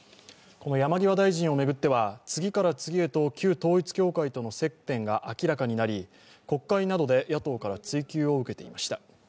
この山際大臣を巡っては次から次へと旧統一教会との接点が明らかになり国会などで野党から追及を受けていました。